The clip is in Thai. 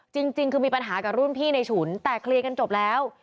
จริงคือมีปัญหากับรุ่นพี่ในฉุนแต่เคลียร์กันจบแล้ว